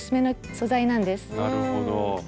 なるほど。